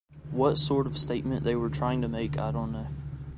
What sort of statement they were trying to make I don't know.